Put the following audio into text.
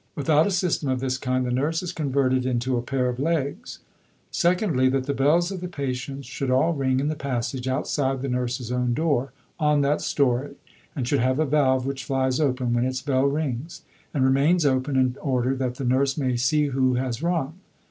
Without a system of this kind, the nurse is converted into a pair of legs. Secondly, That the bells of the patients should all ring in the passage outside the nurse's own door on that story, and should have a valve which flies open when its bell rings, and remains open in order that the nurse may see who has rung."